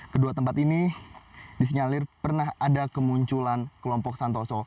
kedua tempat ini disinyalir pernah ada kemunculan kelompok santoso